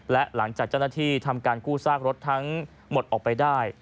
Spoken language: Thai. และหลังจากเจ้าหน้าที่ทำการกู้ซากรถทั้งหมดออกไปได้